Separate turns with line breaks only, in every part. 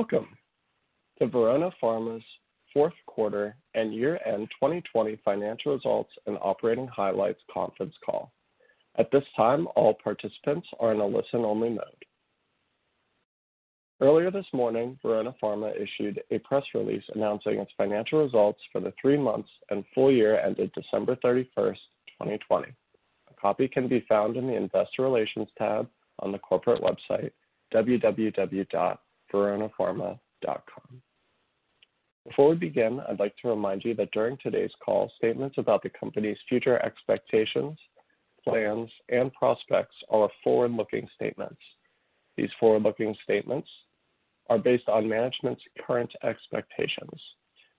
Welcome to Verona Pharma's fourth quarter and year-end 2020 financial results and operating highlights conference call. At this time, all participants are in a listen-only mode. Earlier this morning, Verona Pharma issued a press release announcing its financial results for the three months and full year ended December 31st, 2020. A copy can be found in the investor relations tab on the corporate website, www.veronapharma.com. Before we begin, I'd like to remind you that during today's call, statements about the company's future expectations, plans, and prospects are forward-looking statements. These forward-looking statements are based on management's current expectations.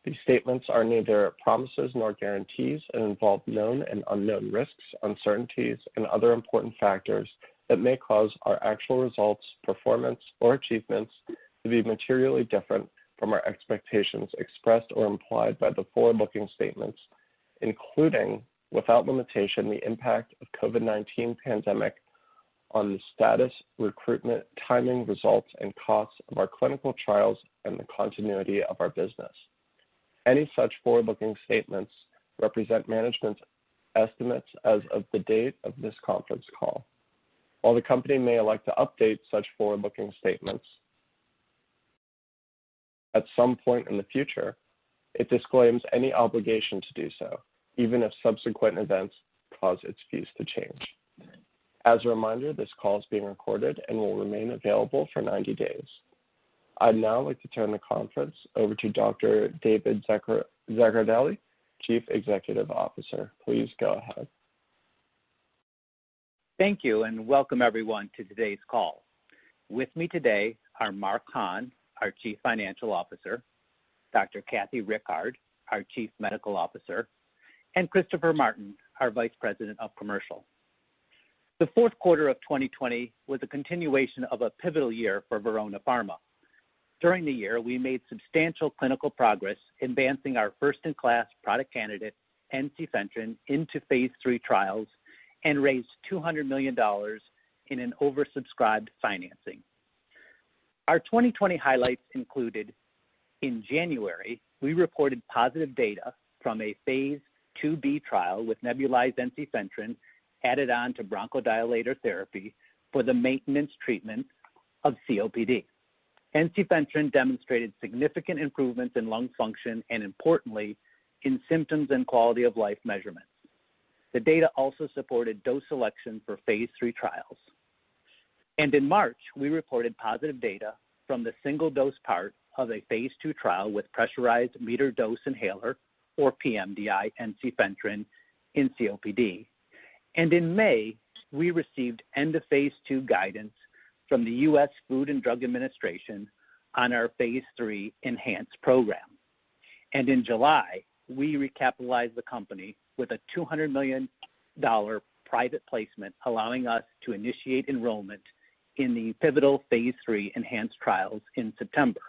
These statements are neither promises nor guarantees and involve known and unknown risks, uncertainties, and other important factors that may cause our actual results, performance, or achievements to be materially different from our expectations expressed or implied by the forward-looking statements, including, without limitation, the impact of COVID-19 pandemic on the status, recruitment, timing, results, and costs of our clinical trials and the continuity of our business. Any such forward-looking statements represent management's estimates as of the date of this conference call. While the company may elect to update such forward-looking statements at some point in the future, it disclaims any obligation to do so, even if subsequent events cause its views to change. As a reminder, this call is being recorded and will remain available for 90 days. I'd now like to turn the conference over to Dr. David Zaccardelli, Chief Executive Officer. Please go ahead.
Thank you, welcome everyone to today's call. With me today are Mark Hahn, our Chief Financial Officer, Dr. Kathy Rickard, our Chief Medical Officer, and Christopher Martin, our Vice President of Commercial. The fourth quarter of 2020 was a continuation of a pivotal year for Verona Pharma. During the year, we made substantial clinical progress advancing our first-in-class product candidate, ensifentrine, into phase III trials and raised $200 million in an oversubscribed financing. Our 2020 highlights included in January, we reported positive data from a phase II-B trial with nebulized ensifentrine added on to bronchodilator therapy for the maintenance treatment of COPD. Ensifentrine demonstrated significant improvements in lung function and importantly, in symptoms and quality of life measurements. The data also supported dose selection for phase III trials. In March, we reported positive data from the single-dose part of a phase II trial with pressurized meter dose inhaler or pMDI ensifentrine in COPD. In May, we received end of phase II guidance from the U.S. Food and Drug Administration on our phase III ENHANCE program. In July, we recapitalized the company with a $200 million private placement allowing us to initiate enrollment in the pivotal phase III ENHANCE trials in September.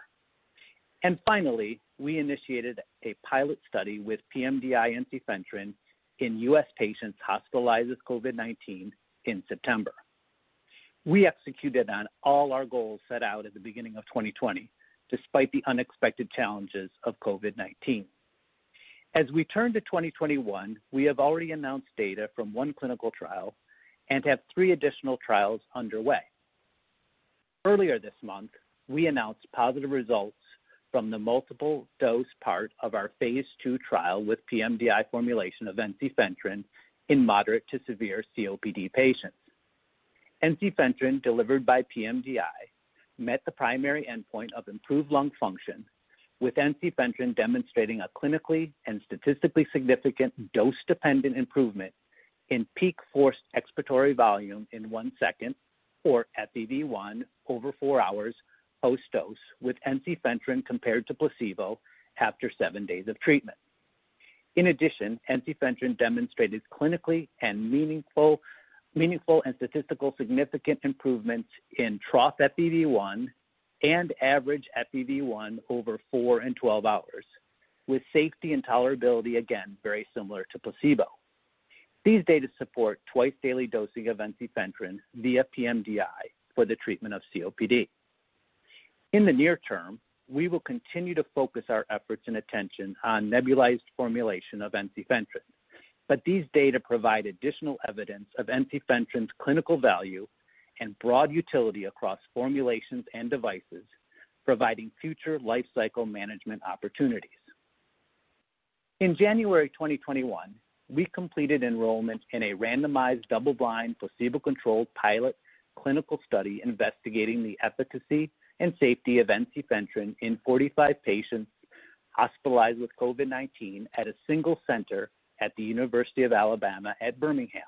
Finally, we initiated a pilot study with pMDI ensifentrine in U.S. patients hospitalized with COVID-19 in September. We executed on all our goals set out at the beginning of 2020, despite the unexpected challenges of COVID-19. As we turn to 2021, we have already announced data from one clinical trial and have three additional trials underway. Earlier this month, we announced positive results from the multiple dose part of our phase II trial with pMDI formulation of ensifentrine in moderate to severe COPD patients. Ensifentrine delivered by pMDI met the primary endpoint of improved lung function with ensifentrine demonstrating a clinically and statistically significant dose-dependent improvement in peak forced expiratory volume in one second or FEV1 over four hours post-dose with ensifentrine compared to placebo after seven days of treatment. In addition, ensifentrine demonstrated clinically meaningful and statistically significant improvements in trough FEV1 and average FEV1 over four and 12 hours with safety and tolerability again, very similar to placebo. These data support twice-daily dosing of ensifentrine via pMDI for the treatment of COPD. In the near term, we will continue to focus our efforts and attention on nebulized formulation of ensifentrine. These data provide additional evidence of ensifentrine's clinical value and broad utility across formulations and devices providing future life cycle management opportunities. In January 2021, we completed enrollment in a randomized double-blind placebo-controlled pilot clinical study investigating the efficacy and safety of ensifentrine in 45 patients hospitalized with COVID-19 at a single center at the University of Alabama at Birmingham.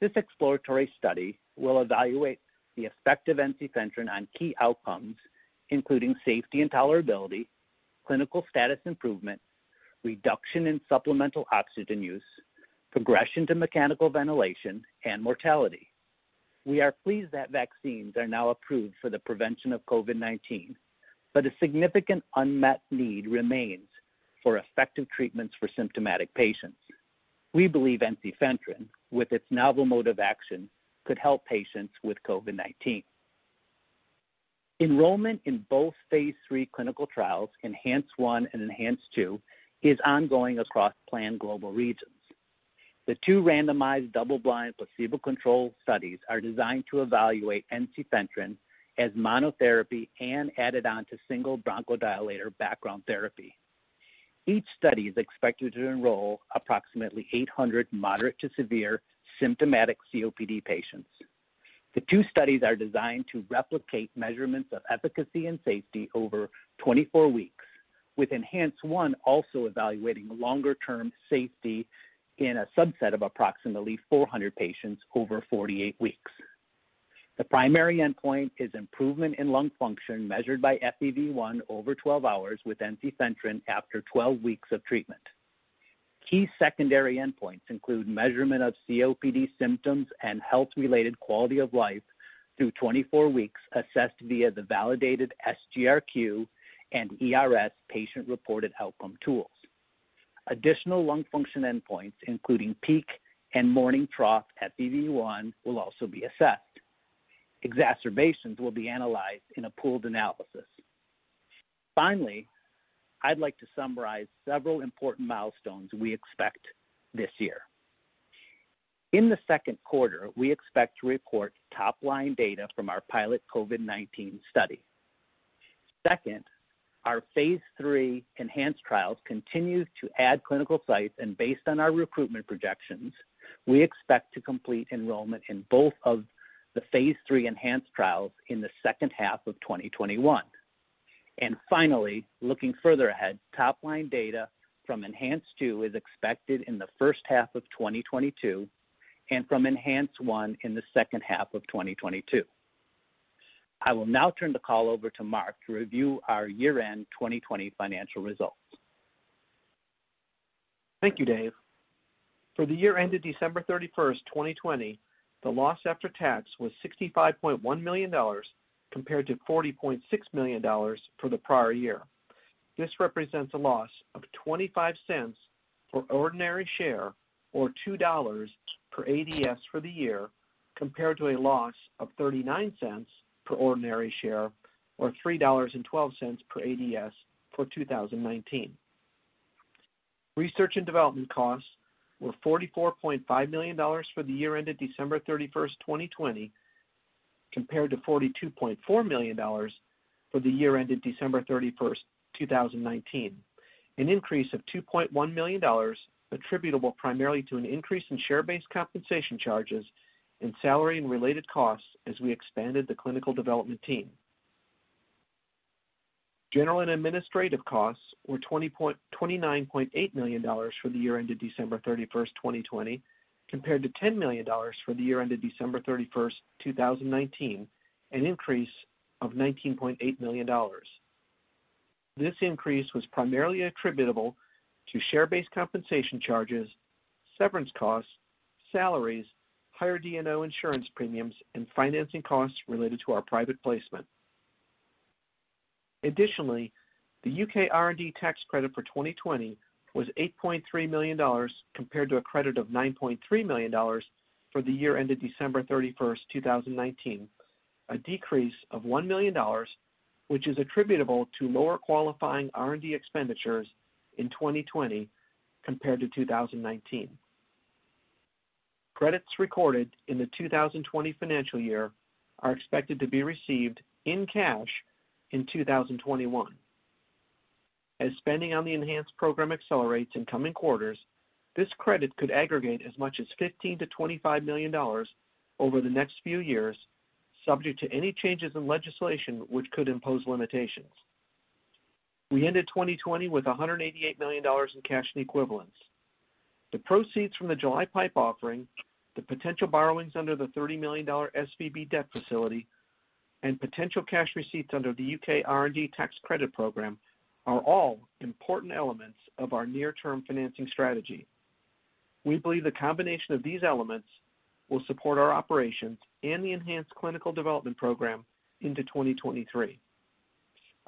This exploratory study will evaluate the effect of ensifentrine on key outcomes, including safety and tolerability, clinical status improvement, reduction in supplemental oxygen use, progression to mechanical ventilation, and mortality. We are pleased that vaccines are now approved for the prevention of COVID-19, a significant unmet need remains for effective treatments for symptomatic patients. We believe ensifentrine, with its novel mode of action, could help patients with COVID-19. Enrollment in both phase III clinical trials, ENHANCE-1 and ENHANCE-2, is ongoing across planned global regions. The two randomized double-blind placebo-controlled studies are designed to evaluate ensifentrine as monotherapy and added on to single bronchodilator background therapy. Each study is expected to enroll approximately 800 moderate to severe symptomatic COPD patients. The two studies are designed to replicate measurements of efficacy and safety over 24 weeks, with ENHANCE-1 also evaluating longer-term safety in a subset of approximately 400 patients over 48 weeks. The primary endpoint is improvement in lung function measured by FEV1 over 12 hours with ensifentrine after 12 weeks of treatment. Key secondary endpoints include measurement of COPD symptoms and health-related quality of life through 24 weeks, assessed via the validated SGRQ and E-RS patient-reported outcome tools. Additional lung function endpoints, including peak and morning trough FEV1, will also be assessed. Exacerbations will be analyzed in a pooled analysis. Finally, I'd like to summarize several important milestones we expect this year. In the second quarter, we expect to report top-line data from our pilot COVID-19 study. Second, our phase III ENHANCE trials continue to add clinical sites, and based on our recruitment projections, we expect to complete enrollment in both of the phase III ENHANCE trials in the second half of 2021. Finally, looking further ahead, top-line data from ENHANCE-2 is expected in the first half of 2022, and from ENHANCE-1 in the second half of 2022. I will now turn the call over to Mark to review our year-end 2020 financial results.
Thank you, Dave. For the year ended December 31st, 2020, the loss after tax was $65.1 million compared to $40.6 million for the prior year. This represents a loss of $0.25 for ordinary share or $2 per ADS for the year, compared to a loss of $0.39 per ordinary share or $3.12 per ADS for 2019. Research and development costs were $44.5 million for the year ended December 31st, 2020, compared to $42.4 million for the year ended December 31st, 2019, an increase of $2.1 million attributable primarily to an increase in share-based compensation charges and salary and related costs as we expanded the clinical development team. General and administrative costs were $29.8 million for the year ended December 31st, 2020, compared to $10 million for the year ended December 31st, 2019, an increase of $19.8 million. This increase was primarily attributable to share-based compensation charges, severance costs, salaries, higher D&O insurance premiums, and financing costs related to our private placement. Additionally, the U.K. R&D tax credit for 2020 was $8.3 million, compared to a credit of $9.3 million for the year ended December 31st, 2019, a decrease of $1 million, which is attributable to lower qualifying R&D expenditures in 2020 compared to 2019. Credits recorded in the 2020 financial year are expected to be received in cash in 2021. As spending on the ENHANCE program accelerates in coming quarters, this credit could aggregate as much as $15 million-$25 million over the next few years, subject to any changes in legislation which could impose limitations. We ended 2020 with $188 million in cash and equivalents. The proceeds from the July PIPE offering, the potential borrowings under the $30 million SVB debt facility, and potential cash receipts under the U.K. R&D tax credit program are all important elements of our near-term financing strategy. We believe the combination of these elements will support our operations and the ENHANCE clinical development program into 2023.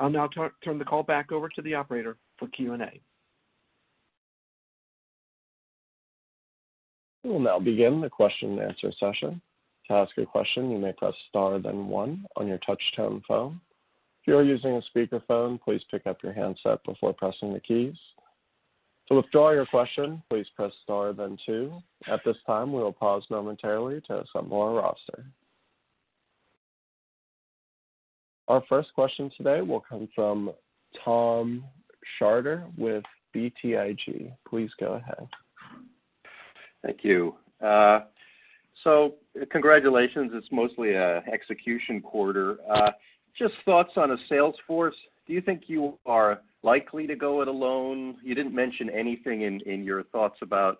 I'll now turn the call back over to the operator for Q&A.
We will now begin the question and answer session. To ask a question, you may press star then one on your touchtone phone. If you are using a speakerphone, please pick up your handset before pressing the keys. To withdraw your question, please press star then two. At this time, we will pause momentarily to assemble our roster. Our first question today will come from Tom Shrader with BTIG. Please go ahead.
Thank you. Congratulations. It's mostly an execution quarter. Just thoughts on a sales force? Do you think you are likely to go it alone? You didn't mention anything in your thoughts about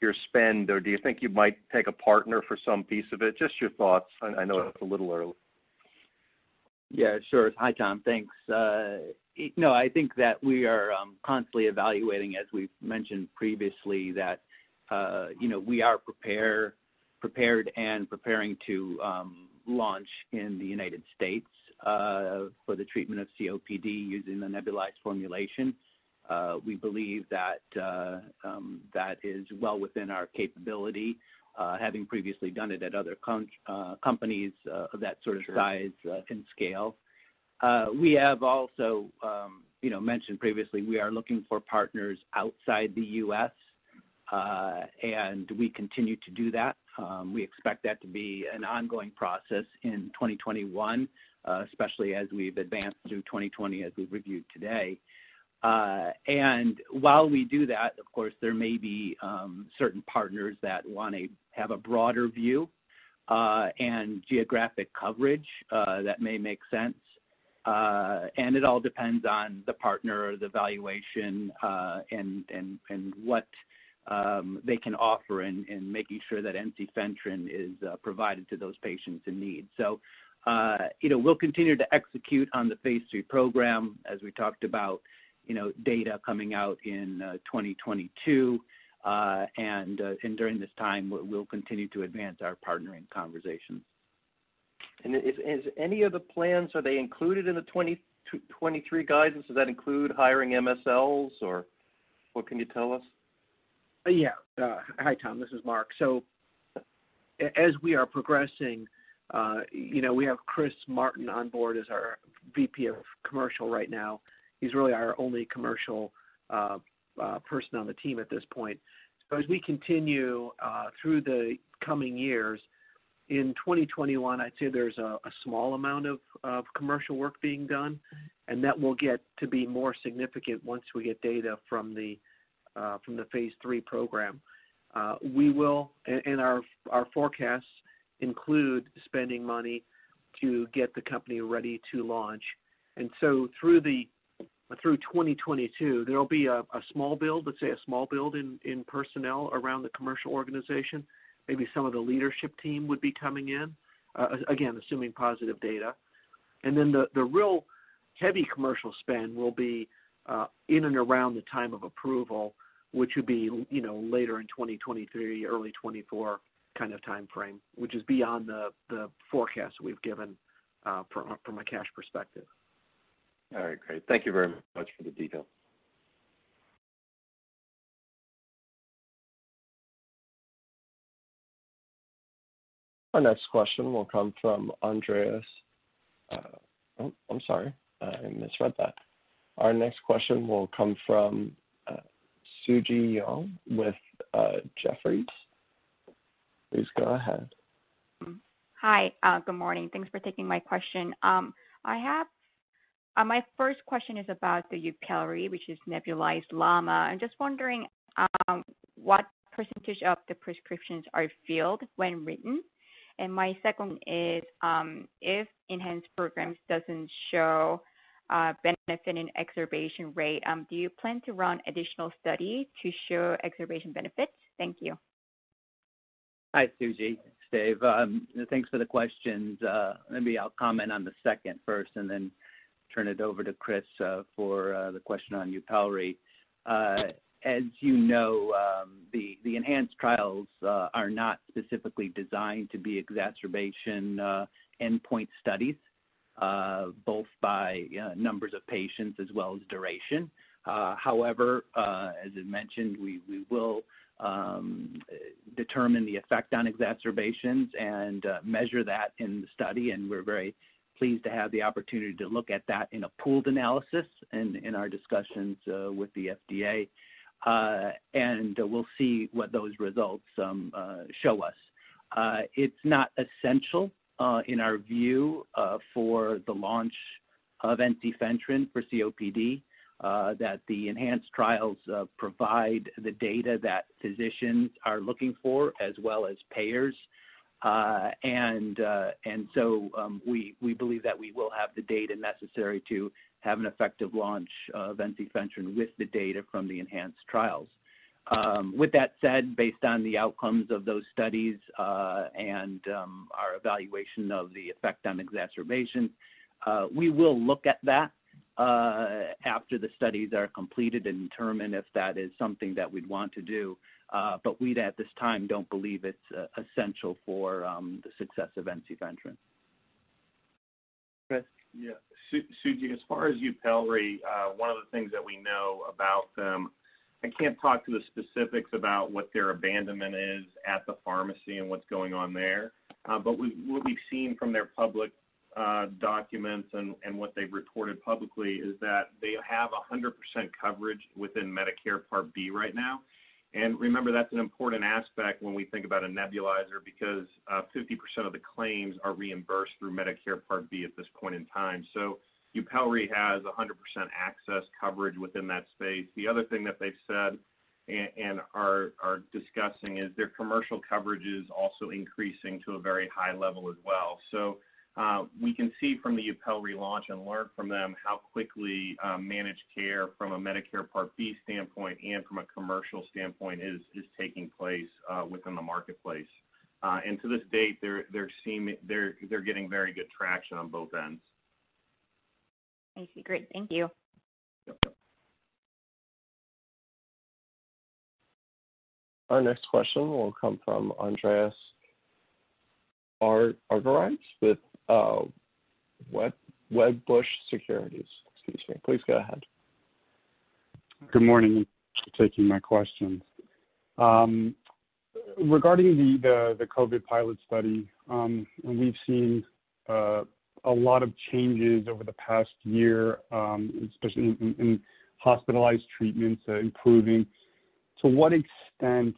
your spend, or do you think you might take a partner for some piece of it? Just your thoughts? I know it's a little early.
Yeah, sure. Hi, Tom. Thanks. I think that we are constantly evaluating, as we've mentioned previously, that we are prepared and preparing to launch in the U.S. for the treatment of COPD using the nebulized formulation. We believe that is well within our capability, having previously done it at other companies of that sort of size and scale. We have also mentioned previously we are looking for partners outside the U.S. We continue to do that. We expect that to be an ongoing process in 2021, especially as we've advanced through 2020 as we've reviewed today. While we do that, of course, there may be certain partners that want to have a broader view, and geographic coverage that may make sense. It all depends on the partner, the valuation, and what they can offer in making sure that ensifentrine is provided to those patients in need. We'll continue to execute on the phase III program as we talked about data coming out in 2022. During this time, we'll continue to advance our partnering conversations.
Is any of the plans, are they included in the 2023 guidance? Does that include hiring MSLs, or what can you tell us?
Yeah. Hi, Tom. This is Mark. As we are progressing, we have Chris Martin on board as our VP of commercial right now. He's really our only commercial person on the team at this point. As we continue through the coming years, in 2021, I'd say there's a small amount of commercial work being done, and that will get to be more significant once we get data from the Phase III program. We will, in our forecasts, include spending money to get the company ready to launch. Through 2022, there'll be a small build, let's say a small build in personnel around the commercial organization. Maybe some of the leadership team would be coming in, again, assuming positive data. Then the real heavy commercial spend will be in and around the time of approval, which would be later in 2023, early 2024 kind of timeframe, which is beyond the forecast we've given from a cash perspective.
All right, great. Thank you very much for the detail.
Our next question will come from Oh, I'm sorry. I misread that. Our next question will come from Suji Jeong with Jefferies. Please go ahead.
Hi. Good morning. Thanks for taking my question. My first question is about the YUPELRI, which is nebulized LAMA. I'm just wondering what percentage of the prescriptions are filled when written. My second is if ENHANCE program doesn't show benefit in exacerbation rate, do you plan to run additional studies to show exacerbation benefits? Thank you.
Hi, Suji. It's Dave. Thanks for the questions. Maybe I'll comment on the second first and then turn it over to Chris for the question on YUPELRI. As you know, the ENHANCE trials are not specifically designed to be exacerbation endpoint studies, both by numbers of patients as well as duration. However, as I mentioned, we will determine the effect on exacerbations and measure that in the study, and we're very pleased to have the opportunity to look at that in a pooled analysis in our discussions with the FDA. We'll see what those results show us. It's not essential in our view for the launch of ensifentrine for COPD that the ENHANCE trials provide the data that physicians are looking for as well as payers. We believe that we will have the data necessary to have an effective launch of ensifentrine with the data from the ENHANCE trials. With that said, based on the outcomes of those studies, and our evaluation of the effect on exacerbation, we will look at that after the studies are completed and determine if that is something that we'd want to do. We'd, at this time, don't believe it's essential for the success of ensifentrine. Chris?
Yeah. Suji, as far as YUPELRI, one of the things that we know about them, I can't talk to the specifics about what their abandonment is at the pharmacy and what's going on there. What we've seen from their public documents and what they've reported publicly is that they have 100% coverage within Medicare Part B right now. Remember, that's an important aspect when we think about a nebulizer because 50% of the claims are reimbursed through Medicare Part B at this point in time. YUPELRI has 100% access coverage within that space. The other thing that they've said and are discussing is their commercial coverage is also increasing to a very high level as well. We can see from the YUPELRI launch and learn from them how quickly managed care from a Medicare Part B standpoint and from a commercial standpoint is taking place within the marketplace. And to this date, they're getting very good traction on both ends.
I see. Great. Thank you.
Yep.
Our next question will come from Andreas Argyrides with Wedbush Securities. Excuse me. Please go ahead.
Good morning. Thanks for taking my question. Regarding the COVID pilot study, we've seen a lot of changes over the past year, especially in hospitalized treatments improving. To what extent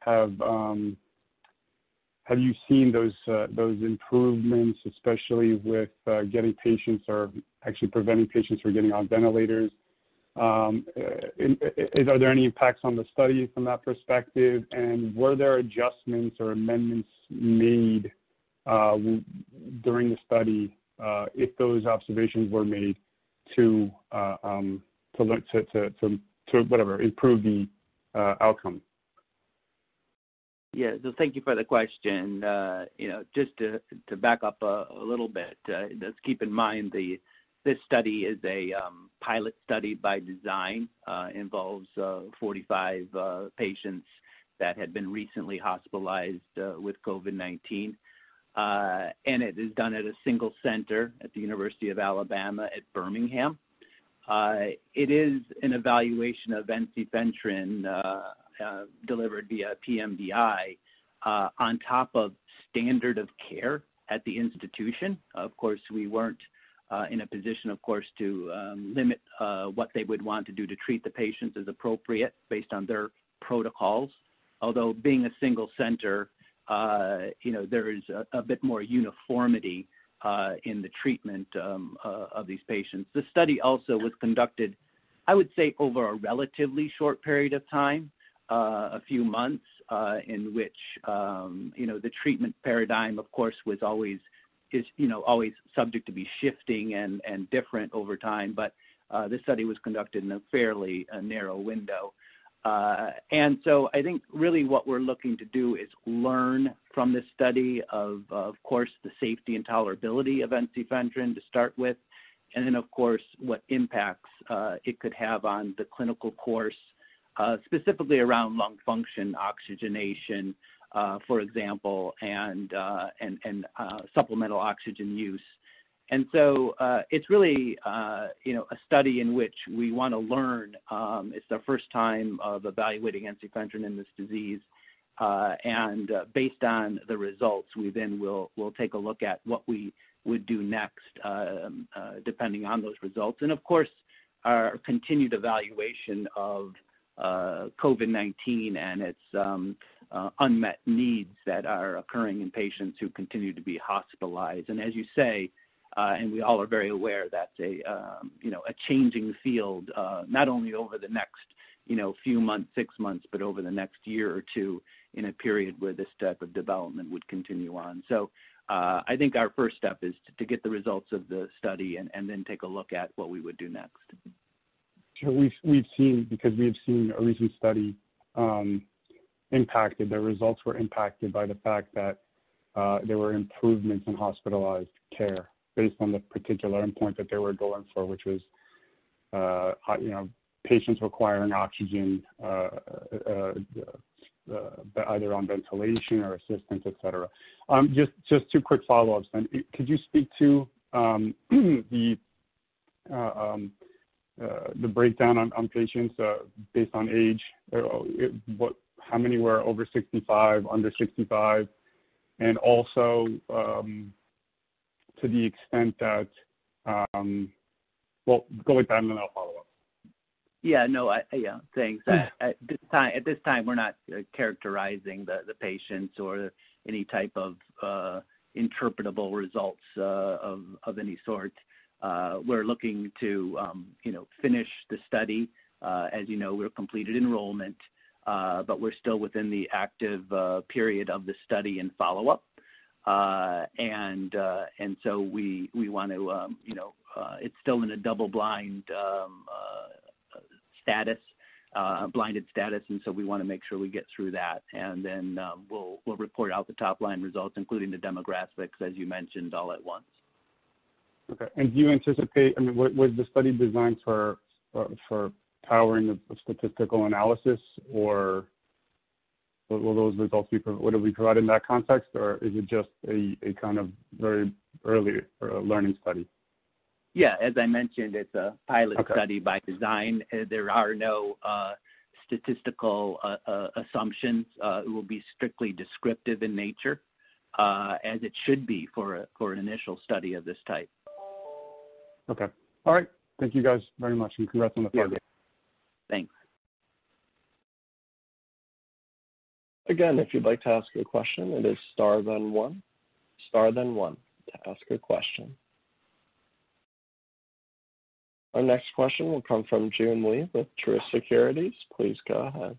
have you seen those improvements, especially with getting patients or actually preventing patients from getting on ventilators? Are there any impacts on the study from that perspective? Were there adjustments or amendments made during the study, if those observations were made to improve the outcome?
Yeah. Thank you for the question. Just to back up a little bit, let's keep in mind this study is a pilot study by design. Involves 45 patients that had been recently hospitalized with COVID-19. It is done at a single center at the University of Alabama at Birmingham. It is an evaluation of eptifibatide delivered via pMDI, on top of standard of care at the institution. Of course, we weren't in a position to limit what they would want to do to treat the patients as appropriate based on their protocols. Although being a single center, there is a bit more uniformity in the treatment of these patients. The study also was conducted, I would say, over a relatively short period of time. A few months in which the treatment paradigm, of course, is always subject to be shifting and different over time. This study was conducted in a fairly narrow window. I think really what we're looking to do is learn from this study of course, the safety and tolerability of ensifentrine to start with. Then, of course, what impacts it could have on the clinical course, specifically around lung function, oxygenation, for example, and supplemental oxygen use. It's really a study in which we want to learn. It's the first time of evaluating ensifentrine in this disease. Based on the results, we then will take a look at what we would do next, depending on those results. Of course, our continued evaluation of COVID-19 and its unmet needs that are occurring in patients who continue to be hospitalized. As you say, and we all are very aware, that's a changing field, not only over the next few months, six months, but over the next year or two in a period where this type of development would continue on. I think our first step is to get the results of the study and then take a look at what we would do next.
Sure. Because we have seen a recent study impacted, their results were impacted by the fact that there were improvements in hospitalized care based on the particular endpoint that they were going for, which was patients requiring oxygen, either on ventilation or assistance, etcetera. Just two quick follow-ups then. Could you speak to the breakdown on patients based on age? How many were over 65, under 65? Also, to the extent that Well, go with that, I'll follow up.
Yeah. Thanks. At this time, we're not characterizing the patients or any type of interpretable results of any sort. We're looking to finish the study. As you know, we've completed enrollment, but we're still within the active period of the study and follow-up. It's still in a double-blinded status. We want to make sure we get through that, and then we'll report out the top-line results, including the demographics, as you mentioned, all at once.
Okay. Was the study designed for powering of statistical analysis, or will those results be provided in that context, or is it just a kind of very early learning study?
Yeah. As I mentioned, it's a pilot study.
Okay
by design. There are no statistical assumptions. It will be strictly descriptive in nature, as it should be for an initial study of this type.
Okay. All right. Thank you guys very much, and congrats on the progress.
Yeah. Thanks.
Again if you'd like to ask a question, it is star then one. Star then one to ask a question. Our next question will come from Joon Lee with Truist Securities. Please go ahead.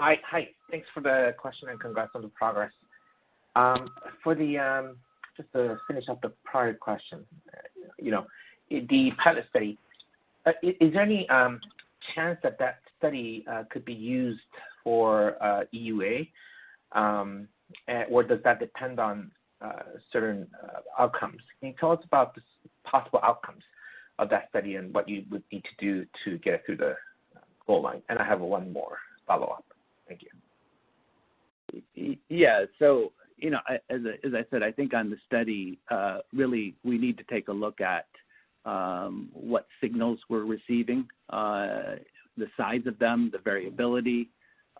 Hi. Thanks for the question, and congrats on the progress. Just to finish up the prior question. The pilot study, is there any chance that that study could be used for EUA? Or does that depend on certain outcomes? Can you tell us about the possible outcomes of that study and what you would need to do to get it through the goal line? I have one more follow-up. Thank you.
Yeah. As I said, I think on the study, really, we need to take a look at what signals we're receiving, the size of them, the variability,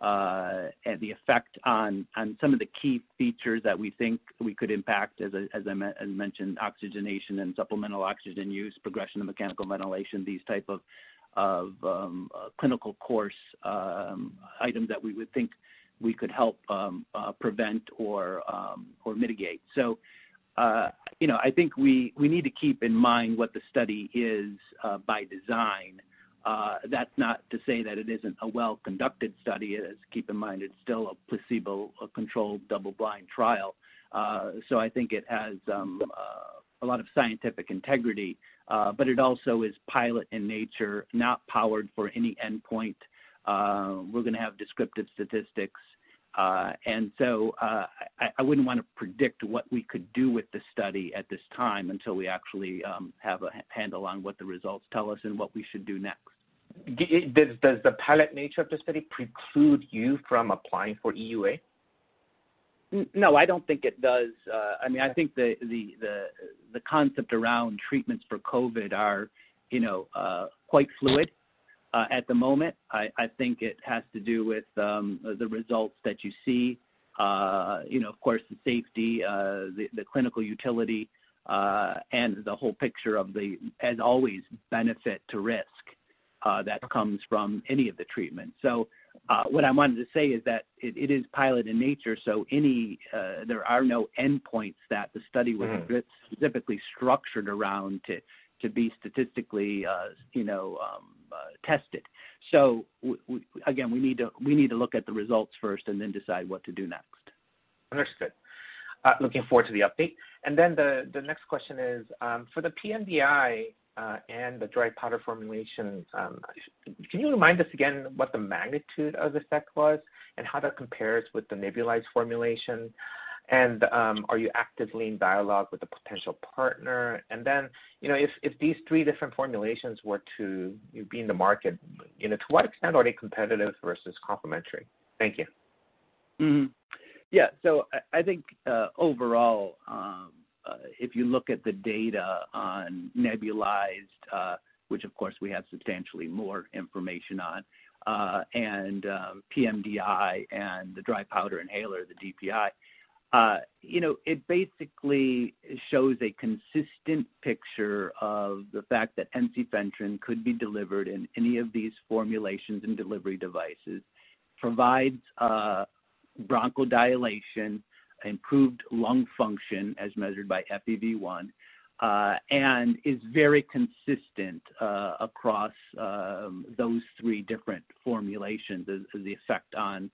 and the effect on some of the key features that we think we could impact, as I mentioned, oxygenation and supplemental oxygen use, progression of mechanical ventilation, these type of clinical course items that we would think we could help prevent or mitigate. I think we need to keep in mind what the study is by design. That's not to say that it isn't a well-conducted study. Keep in mind it's still a placebo, a controlled double-blind trial. I think it has a lot of scientific integrity. It also is pilot in nature, not powered for any endpoint. We're going to have descriptive statistics. I wouldn't want to predict what we could do with the study at this time until we actually have a handle on what the results tell us and what we should do next.
Does the pilot nature of the study preclude you from applying for EUA?
No, I don't think it does. I think the concept around treatments for COVID are quite fluid at the moment. I think it has to do with the results that you see, of course the safety, the clinical utility and the whole picture of the, as always, benefit to risk that comes from any of the treatments. What I wanted to say is that it is pilot in nature, so there are no endpoints that the study was specifically structured around to be statistically tested. Again, we need to look at the results first and then decide what to do next.
Understood. Looking forward to the update. The next question is, for the pMDI and the dry powder formulation, can you remind us again what the magnitude of effect was and how that compares with the nebulized formulation? Are you actively in dialogue with the potential partner? If these three different formulations were to be in the market, to what extent are they competitive versus complementary? Thank you.
I think overall if you look at the data on nebulized, which of course we have substantially more information on, and pMDI and the dry powder inhaler, the DPI, it basically shows a consistent picture of the fact that ensifentrine could be delivered in any of these formulations and delivery devices, provides bronchodilation, improved lung function as measured by FEV1, and is very consistent across those three different formulations as the effect on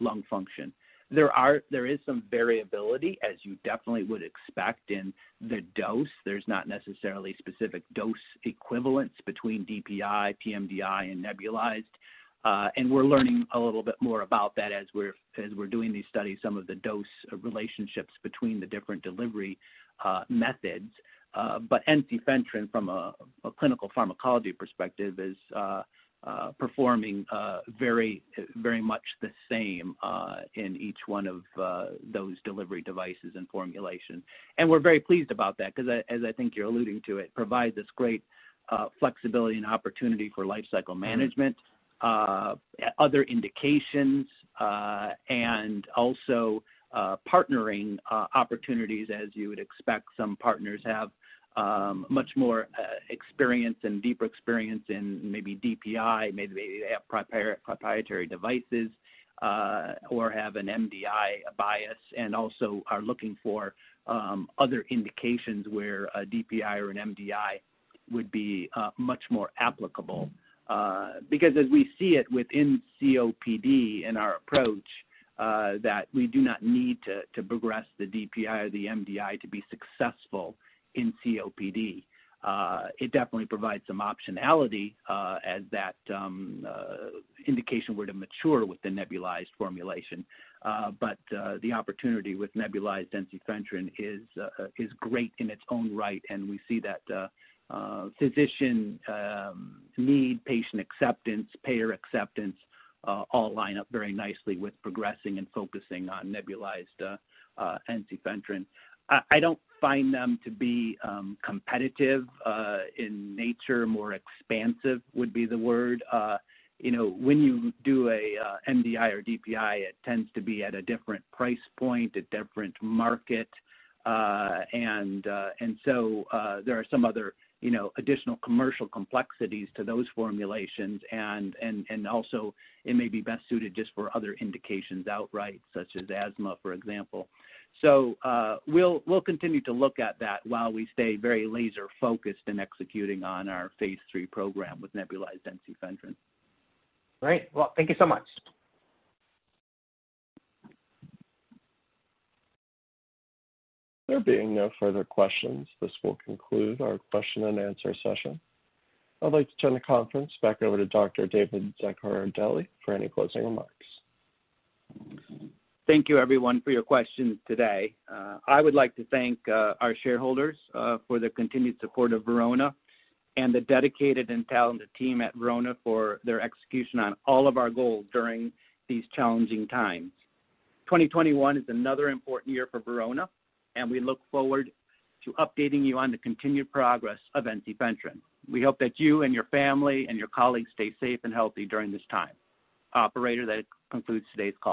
lung function. There is some variability, as you definitely would expect in the dose. There's not necessarily specific dose equivalence between DPI, pMDI, and nebulized. We're learning a little bit more about that as we're doing these studies, some of the dose relationships between the different delivery methods. Ensifentrine from a clinical pharmacology perspective is performing very much the same in each one of those delivery devices and formulations. We're very pleased about that because as I think you're alluding to, it provides this great flexibility and opportunity for life cycle management, other indications, and also partnering opportunities as you would expect some partners have much more experience and deeper experience in maybe DPI, maybe they have proprietary devices or have an MDI bias and also are looking for other indications where a DPI or an MDI would be much more applicable. As we see it within COPD in our approach, that we do not need to progress the DPI or the MDI to be successful in COPD. It definitely provides some optionality as that indication were to mature with the nebulized formulation. The opportunity with nebulized ensifentrine is great in its own right, and we see that physician need, patient acceptance, payer acceptance all line up very nicely with progressing and focusing on nebulized ensifentrine. I don't find them to be competitive in nature. More expansive would be the word. When you do a MDI or DPI, it tends to be at a different price point, a different market. There are some other additional commercial complexities to those formulations and also it may be best suited just for other indications outright, such as asthma, for example. We'll continue to look at that while we stay very laser focused in executing on our phase III program with nebulized ensifentrine.
Great. Well, thank you so much.
There being no further questions, this will conclude our question and answer session. I'd like to turn the conference back over to Dr. David Zaccardelli for any closing remarks.
Thank you everyone for your questions today. I would like to thank our shareholders for their continued support of Verona and the dedicated and talented team at Verona for their execution on all of our goals during these challenging times. 2021 is another important year for Verona, and we look forward to updating you on the continued progress of ensifentrine. We hope that you and your family and your colleagues stay safe and healthy during this time. Operator, that concludes today's call.